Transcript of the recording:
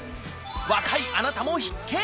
若いあなたも必見！